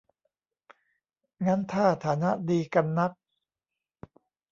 งั้นถ้าฐานะดีกันนัก